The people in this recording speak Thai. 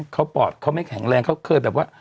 เขาปอดเขาไม่แข็งแรงเขาเคยแบบว่า